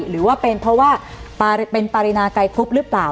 หรือว่าเป็นเพราะว่าเป็นปารินาไกรคุบหรือเปล่า